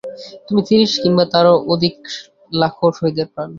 তুমি তিরিশ কিংবা তারও অধিক লাখো শহীদের প্রাণ।